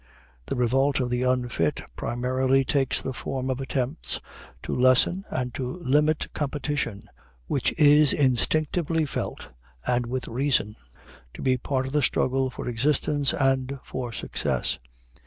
The revolt of the unfit primarily takes the form of attempts to lessen and to limit competition, which is instinctively felt, and with reason, to be part of the struggle for existence and for success.